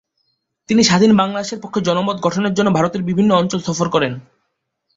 তিনি স্বাধীন বাংলাদেশের পক্ষে জনমত গঠনের জন্য ভারতের বিভিন্ন অঞ্চল সফর করেন।